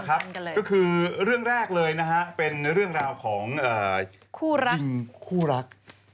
ก็คือเรื่องแรกเลยนะฮะเป็นเรื่องราวของคู่รักคู่รัก